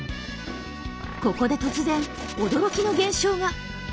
ここで突然驚きの現象が！